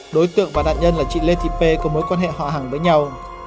đối tượng và nạn nhân là chị lê thị p có mối quan hệ họ hàng với nhau